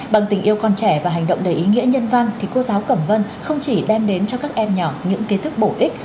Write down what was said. bằng tình yêu con trẻ và hành động đầy ý nghĩa nhân văn thì cô giáo cẩm vân không chỉ đem đến cho các em nhỏ những kiến thức bổ ích